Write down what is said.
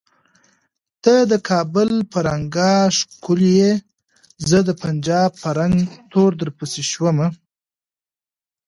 ته د کابل په رنګه ښکولیه زه د پنجاب په رنګ تور درپسې شومه